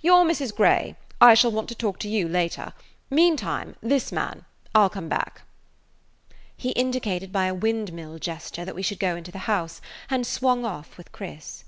"You 're Mrs. [Page 148] Grey. I shall want to talk to you later. Meantime–this man. I 'll come back." He indicated by a windmill gesture that we should go into the house, and swung off with Chris.